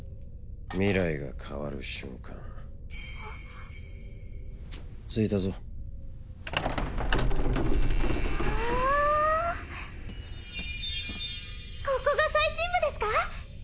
未来が変わる瞬間ついたぞわあっここが最深部ですか？